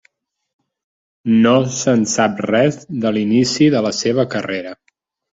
No se'n sap res de l'inici de la seva carrera.